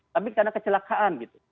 tapi karena kecelakaan gitu